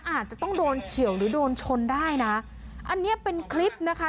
อาจจะต้องโดนเฉียวหรือโดนชนได้นะอันเนี้ยเป็นคลิปนะคะ